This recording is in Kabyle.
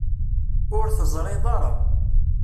Ur teẓriḍ ara.